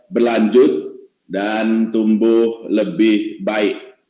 berlanjut dan tumbuh lebih baik